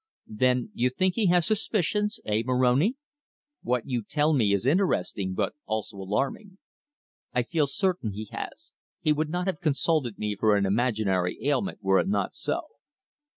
"Then you think he has suspicions eh, Moroni? What you tell me is interesting, but also alarming." "I feel certain he has. He would not have consulted me for an imaginary ailment were it not so."